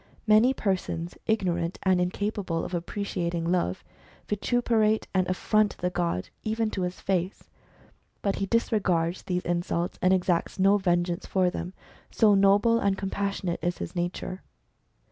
Many persons, ignorant and incapable of appreciating Love, vituperate and affront the god, even to his face. But he disregards these insults, and exacts no vengeance for them, so noble and com passionate is his nature.